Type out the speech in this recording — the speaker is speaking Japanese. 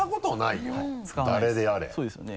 そうですよね？